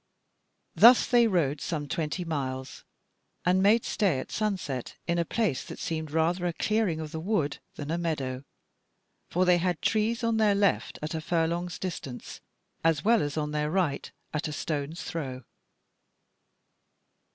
Thus they rode some twenty miles, and made stay at sunset in a place that seemed rather a clearing of the wood than a meadow; for they had trees on their left hand at a furlong's distance, as well as on their right at a stone's throw.